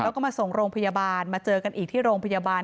แล้วก็มาส่งโรงพยาบาลมาเจอกันอีกที่โรงพยาบาล